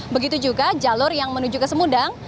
begitu juga jalur yang menuju ke semudang